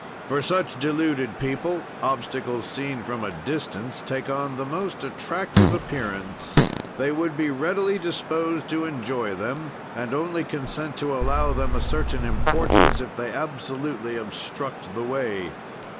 "For such deluded people, obstacles seen from a distance take on the most attractive appearance; they would be readily disposed to enjoy them and only consent to allow them a certain importance if they absolutely obstruct the way.